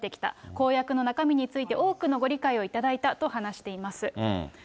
公約の中身について、多くのご理解をいただいたと話しています。